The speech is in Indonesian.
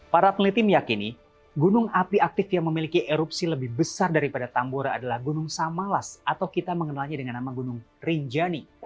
para peneliti meyakini gunung api aktif yang memiliki erupsi lebih besar daripada tambora adalah gunung samalas atau kita mengenalnya dengan nama gunung rinjani